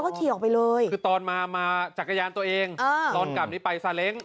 อ๋อคือตอนมามาจักรยานตัวเองตอนกลับนี้ไปสะเล็ง